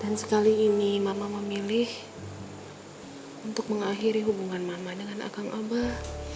dan sekali ini mama memilih untuk mengakhiri hubungan mama dengan akang abah